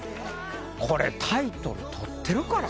これタイトル取ってるから。